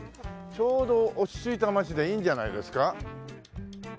ちょうど落ち着いた街でいいんじゃないですか。